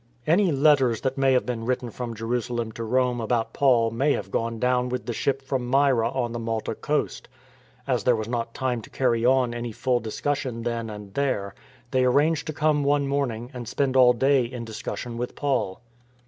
Any letters that may have been written from Jeru salem to Rome about Paul may have gone down with the ship from Myra on the Malta coast. As there was not time to carry on any full discussion then and there, they arranged to come one morning and spend all day in discussion with Paul.